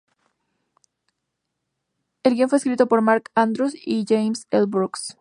El guion fue escrito por Mark Andrus y James L. Brooks.